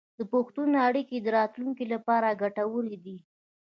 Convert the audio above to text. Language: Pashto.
د پوهنتون اړیکې د راتلونکي لپاره ګټورې دي.